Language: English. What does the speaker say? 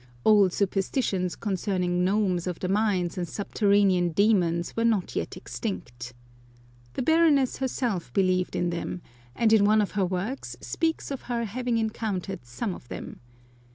Old superstitions concerning gnomes of the mines and subterranean demons were not yet extinct The Baroness herself believed in them, and in one of her works speaks of her having encountered some of them.